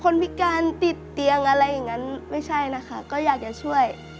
พิการติดเตียงอะไรอย่างนั้นไม่ใช่นะคะก็อยากจะช่วย